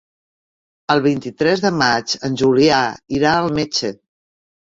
El vint-i-tres de maig en Julià irà al metge.